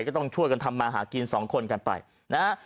ก็ต้องช่วยกันทำมาหากินสองคนกันไปนะฮะ